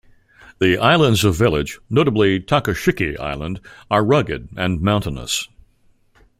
The islands of village, notably Tokashiki Island, are rugged and mountainous.